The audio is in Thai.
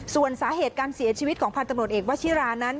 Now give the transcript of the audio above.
ส่วนสาเหตุการเสียชีวิตของพันธุ์ตำรวจเอกวชิรานั้น